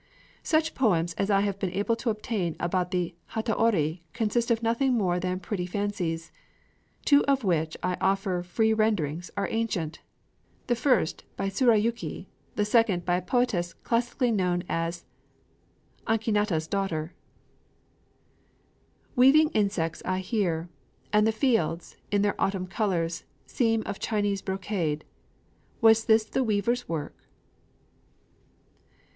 Such poems as I have been able to obtain about the hataori consist of nothing more than pretty fancies. Two, of which I offer free renderings, are ancient, the first by Tsurayuki; the second by a poetess classically known as "Akinaka's Daughter": Weaving insects I hear; and the fields, in their autumn colors, Seem of Chinese brocade: was this the weavers' work?